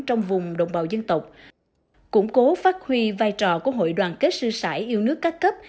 trong vùng đồng bào dân tộc củng cố phát huy vai trò của hội đoàn kết sư sải yêu nước các cấp